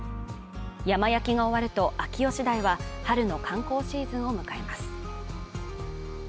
山焼きが終わると秋吉台は春の観光シーズンを迎えます。